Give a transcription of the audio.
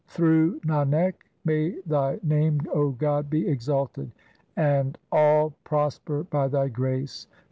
Through Nanak, may Thy name, O God, be exalted, And all prosper by Thy grace